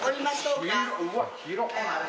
うわ広っ。